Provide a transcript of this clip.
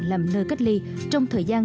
làm nơi cách ly trong thời gian